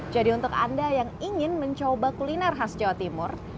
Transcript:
jadi untuk anda yang ingin mencoba kuliner khas jawa timur